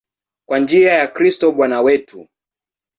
Kwa njia ya Kristo Bwana wetu.